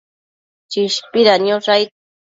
Chishpida niosh aid